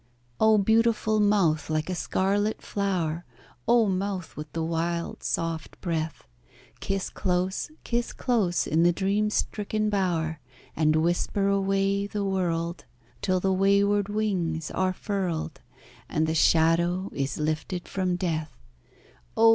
Oh! beautiful mouth like a scarlet flow'r, Oh! mouth with the wild, soft breath, Kiss close, kiss close in the dream stricken bow'r, And whisper away the world; Till the wayward wings are furled, And the shadow is lifted from death Oh!